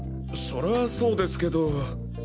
それはそうですけど。